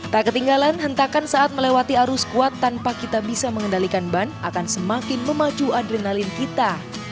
tak ketinggalan hentakan saat melewati arus kuat tanpa kita bisa mengendalikan ban akan semakin memacu adrenalin kita